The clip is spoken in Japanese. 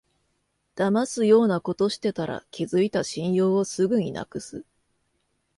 だますようなことしてたら、築いた信用をすぐになくす